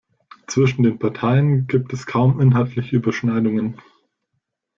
Zwischen den Parteien gibt es kaum inhaltliche Überschneidungen.